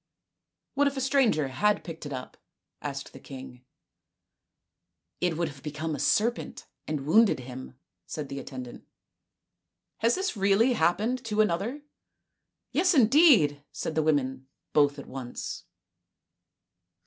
" What if a stranger had picked it up ?" asked the king. " It would have become a serpent, and wounded him," said the attendant. " Has this really happened to another ?"" Yes, indeed," said the women, both at once.